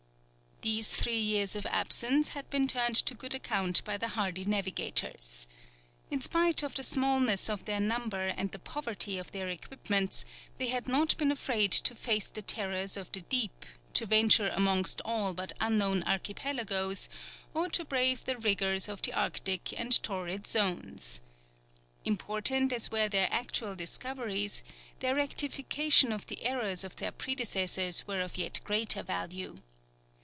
These three years of absence had been turned to good account by the hardy navigators. In spite of the smallness of their number and the poverty of their equipments, they had not been afraid to face the terrors of the deep, to venture amongst all but unknown archipelagoes, or to brave the rigours of the Arctic and Torrid zones. Important as were their actual discoveries, their rectification of the errors of their predecessors were of yet greater value.